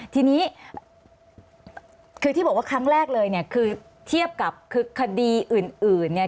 ทีนี้คือที่บอกว่าครั้งแรกเลยเนี่ยคือเทียบกับคือคดีอื่นเนี่ย